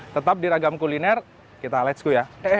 tetap di ragam kuliner kita let's go ya